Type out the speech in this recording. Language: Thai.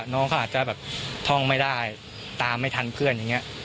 น้องเขาอาจจะแบบท่องไม่ได้ตามไม่ทันเพื่อนอย่างนี้